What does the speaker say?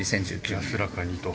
安らかにと。